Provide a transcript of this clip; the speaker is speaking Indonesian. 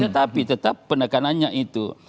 tetapi tetap penekanannya itu